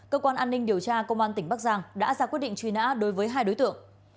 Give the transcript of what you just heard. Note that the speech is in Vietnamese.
cơ quan an ninh điều tra công an tỉnh bắc giang đã ra quyết định truy nã đối với hai đối tượng